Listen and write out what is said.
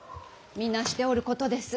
皆しておることです。